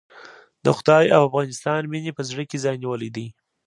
د خدای او افغانستان مينې په زړه کې ځای نيولی دی.